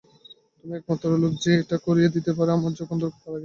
তুমিই একমাত্র লোক যে এটা করিয়ে দিতে পারে আমার যখন দরকার তার আগে।